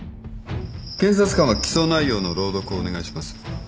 検察官は起訴内容の朗読をお願いします。